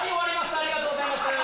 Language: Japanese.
ありがとうございます。